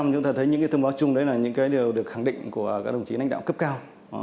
chúng ta thấy những thông báo chung đó là những điều được khẳng định của các đồng chí lãnh đạo cấp cao